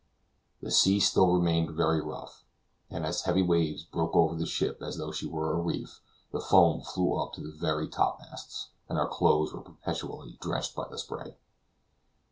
The sea still remained very rough, and as the heavy waves broke over the ship as though she were a reef, the foam flew up to the very top masts, and our clothes were perpetually drenched by the spray.